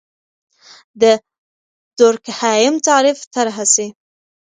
د دورکهايم تعریف طرحه سي.